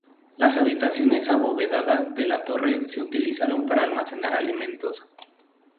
Las habitaciones abovedadas de la torre se utilizaron para almacenar alimentos.